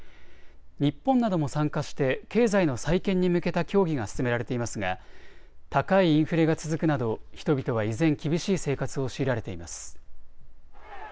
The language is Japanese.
日本なども参加して経済の再建に向けた協議が進められていますが高いインフレが続くなど人々は依然、厳しい生活を強いられています。